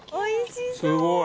すごい！何？